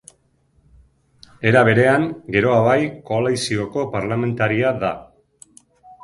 Era berean, Geroa Bai koalizioko parlamentaria da.